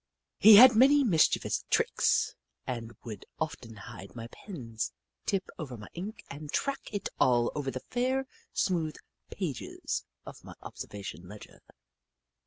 He had many mischievous tricks and would often hide my pens, tip over my ink and track it all over the fair, smooth pages of my observa tion ledger.